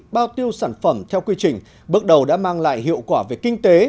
bao tiêu sản phẩm theo quy trình bước đầu đã mang lại hiệu quả về kinh tế